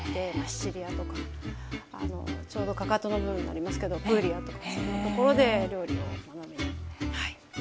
シチリアとかちょうどかかとの部分になりますけどプーリアとかそういうところで料理を学びにはい。